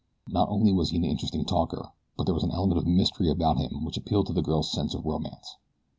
Not only was he an interesting talker; but there was an element of mystery about him which appealed to the girl's sense of romance.